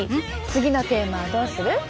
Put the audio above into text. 次のテーマはどうする？